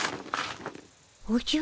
おじゃ。